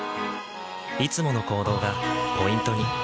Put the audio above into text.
いつもの行動がポイントに。